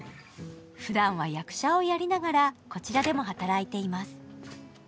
ふだんは役者をやりながらこちらでも働いています。